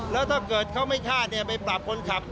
แล้วถ้าเกิดเขาไม่ฆ่าไปปรับคนขับ